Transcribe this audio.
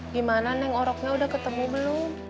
gimana neng oroknya udah ketemu belum